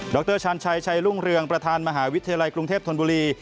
รชาญชัยชัยรุ่งเรืองประธานมหาวิทยาลัยกรุงเทพธนบุรี